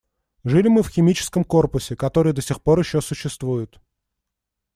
Жили мы в химическом корпусе, который до сих пор еще существует.